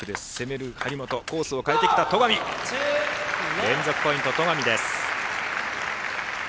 連続ポイント、戸上です。